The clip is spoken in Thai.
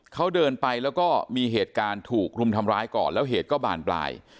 เขาเดินไปแล้วก็มีเหตุการณ์ถูกรุมทำร้ายก่อนแล้วเหตุก็บานปลาย